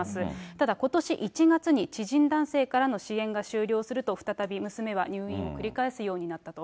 ただことし１月に知人男性からの支援が終了すると、再び娘は入院を繰り返すようになったと。